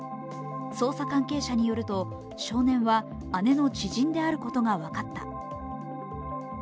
捜査関係者によると少年は、姉の知人であることが分かった。